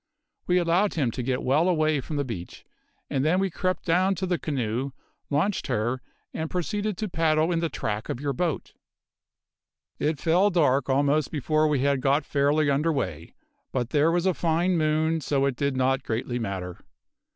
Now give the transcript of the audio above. We allowed him to get well away from the beach, and then we crept down to the canoe, launched her, and proceeded to paddle in the track of your boat. "It fell dark almost before we had got fairly under way, but there was a fine moon, so it did not greatly matter.